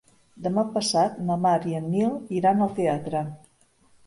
Demà passat na Mar i en Nil iran al teatre.